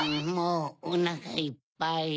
もうおなかいっぱい。